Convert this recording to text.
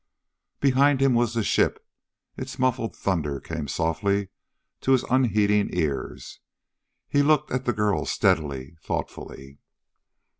Behind him was the ship. Its muffled thunder came softly to his unheeding ears. He looked at the girl steadily, thoughtfully.